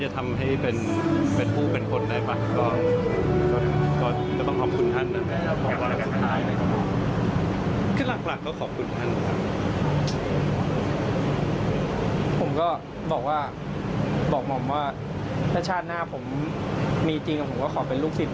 ท่านก็คล้ายเป็นพ่ออย่างคนนี้ครับ